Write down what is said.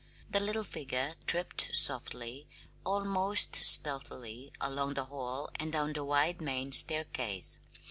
The little figure tripped softly, almost stealthily, along the hall and down the wide main staircase.